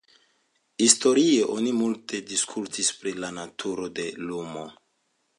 Historie oni multe diskutis pri la naturo de lumo.